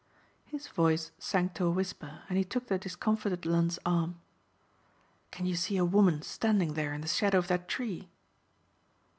His voice sank to a whisper and he took the discomfited Lund's arm. "Can you see a woman standing there in the shadow of that tree?"